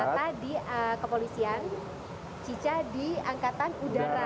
tata di kepolisian cica di angkatan udara